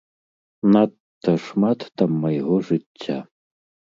Надта шмат там майго жыцця.